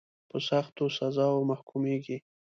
په سختو سزاوو محکومیږي.